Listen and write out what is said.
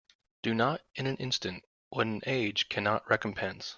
Do not in an instant what an age cannot recompense.